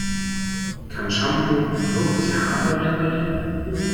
Kann Shampoo wirklich Haare reparieren?